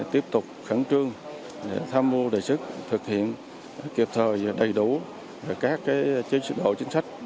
tiếp tục khẩn trương tham mưu đề sức thực hiện kịp thời đầy đủ các chế độ chính sách